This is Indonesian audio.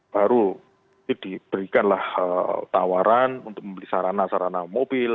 baru diberikanlah tawaran untuk membeli sarana sarana mobil